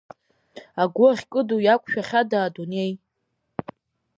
Агәы ахькыду иақәшәахьада Адунеи.